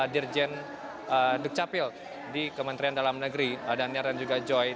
dirjen dukcapil di kementerian dalam negeri daniar dan juga joy